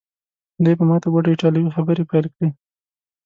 دی په ماته ګوډه ایټالوي خبرې پیل کړې.